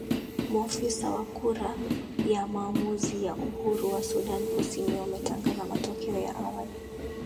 maofisa wa kura ya maamuzi ya uhuru wa sudan kusini wametangaza matokeo ya awali